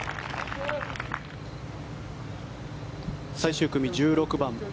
最終組、１６番。